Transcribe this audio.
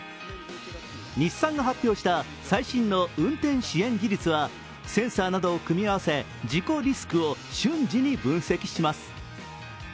日産が発表した最新の運転支援技術はセンサーなどを組み合わせ事故リスクを瞬時に分析します。